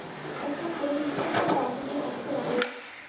ওসমান গনি নিঃশব্দে গা দুলিয়ে হাসতে লাগলেন।